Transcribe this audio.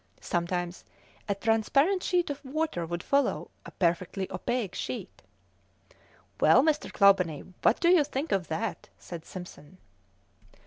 Sometimes a transparent sheet of water would follow a perfectly opaque sheet. "Well, Mr. Clawbonny, what do you think of that?" said Simpson.